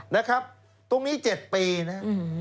นะครับตรงนี้๗ปีนะ